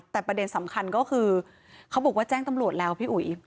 แต่ประเด็นสำคัญก็คือเขาบอกว่าแจ้งตำรวจแล้วพี่อุ๋ย